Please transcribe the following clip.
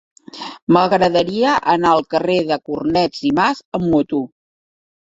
M'agradaria anar al carrer de Cornet i Mas amb moto.